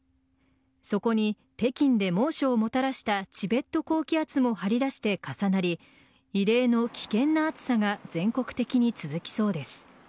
そこに、北京で猛暑をもたらしたチベット高気圧も張り出して重なり異例の危険な暑さが全国的に続きそうです。